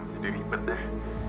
jadi ribet deh